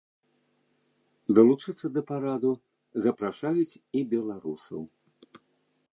Далучыцца да параду запрашаюць і беларусаў.